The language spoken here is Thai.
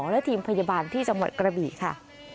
และทีมพยาบาลที่จังหวัดกระบี่ค่ะ